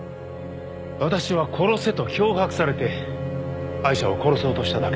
私は殺せと脅迫されてアイシャを殺そうとしただけです。